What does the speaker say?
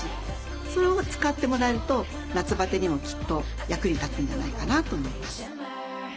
それを使ってもらえると夏バテにもきっと役に立つんじゃないかなと思います。